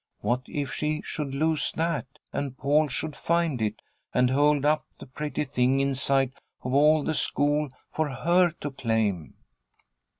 What if she should lose that and Paul should find it, and hold up the pretty thing in sight of all the school for her to claim?